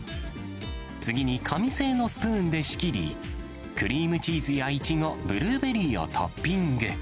次に紙製のスプーンで仕切り、クリームチーズやイチゴ、ブルーベリーをトッピング。